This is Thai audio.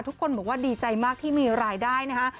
ทุกคนบอกว่าดีใจมากที่มีรายได้นะคะ